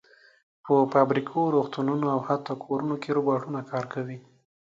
په فابریکو، روغتونونو او حتی کورونو کې روباټونه کار کوي.